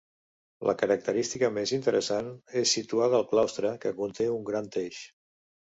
La característica més interessant és situada al claustre, que conté un gran teix.